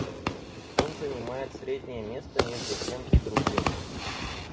Он занимает среднее место между тем и другим.